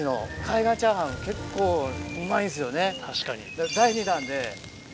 海岸チャーハン結構うまいんですよね。